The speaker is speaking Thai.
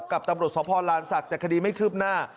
กับตำรวจศพรลานสัตว์แต่คดีไม่ขึ้บหน้า